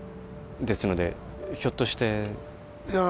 ですのでひょっとしていや